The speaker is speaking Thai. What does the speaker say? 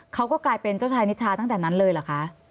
เขาก็กลายเป็นเจ้าชายนิทราตั้งแต่นั้นเลยเหรอคะ